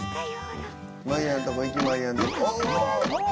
はい。